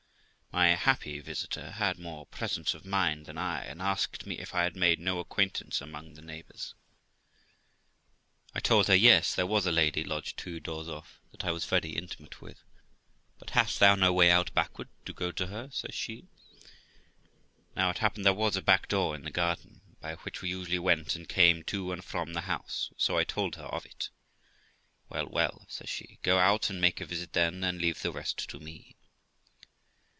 My happy visitor had more presence of mind than I, and asked me if I had made no acquaintance among the neighbours. I told her, yes, there was a lady lodged two doors off that I was very intimate with. 'But hast thou no way out backward to go to her ?' says she. Now it happened there was a back door in the garden, by which we usually went and came to and from the house, so I told her of it. ' Well, well ', says she, ' go out and make a visit then, and leave the rest to me.'